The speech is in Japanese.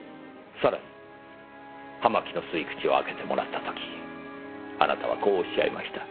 さらに葉巻の吸い口を開けてもらった時あなたはこうおっしゃいました。